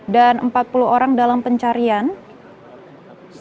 dan juga sudah lebih dari dua orang yang meninggal dunia